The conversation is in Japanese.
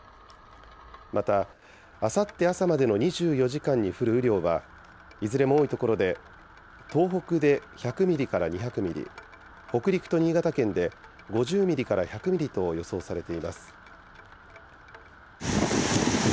また、あさって朝までの２４時間に降る雨量は、いずれも多い所で、東北で１００ミリから２００ミリ、北陸と新潟県で５０ミリから１００ミリと予想されています。